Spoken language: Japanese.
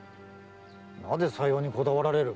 なぜさようにこだわられる？